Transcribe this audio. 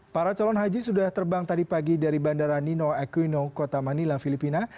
para calon haji sudah terbang tadi pagi dari bandara nino equino kota manila filipina